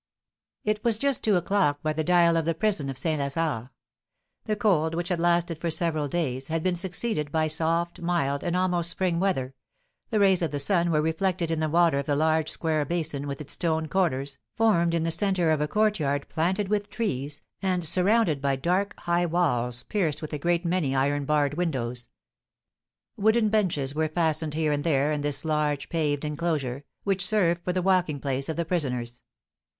It was just two o'clock by the dial of the prison of St. Lazare. The cold, which had lasted for several days, had been succeeded by soft, mild, and almost spring weather; the rays of the sun were reflected in the water of the large square basin, with its stone corners, formed in the centre of a courtyard planted with trees, and surrounded by dark, high walls pierced with a great many iron barred windows. Wooden benches were fastened here and there in this large paved enclosure, which served for the walking place of the prisoners.